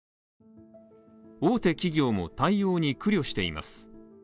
大手企業も対応に苦慮しています。